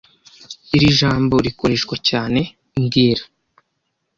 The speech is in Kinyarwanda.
Iri jambo rikoreshwa cyane mbwira